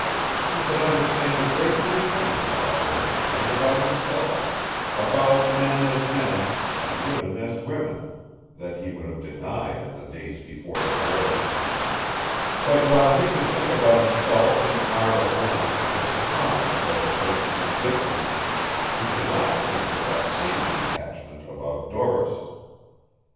He could understand a great many things about her and about himself, about men as men and women as women, that he would have denied in the days before the war. But while he could think about himself and Myra Bland with a calmness that approached indifference, he could not think with that same detachment about Doris.